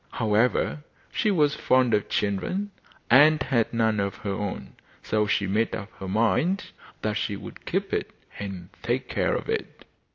However, she was fond of children and had none of her own, so she made up her mind that she would keep it and take care of it.